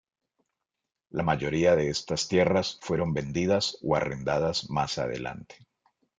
La mayoría de estas tierras fueron vendidas o arrendadas más adelante.